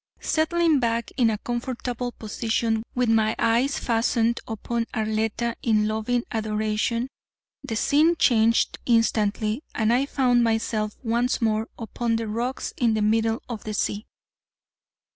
Settling back in a comfortable position with my eyes fastened upon Arletta in loving adoration, the scene changed instantly and I found myself once more upon the rocks in the middle of the sea.